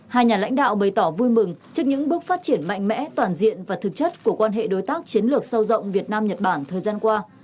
hai nhà lãnh đạo bày tỏ vui mừng trước những bước phát triển mạnh mẽ toàn diện và thực chất của quan hệ đối tác chiến lược sâu rộng việt nam nhật bản thời gian qua